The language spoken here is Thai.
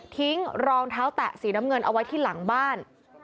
รองเท้าแตะสีน้ำเงินเอาไว้ที่หลังบ้าน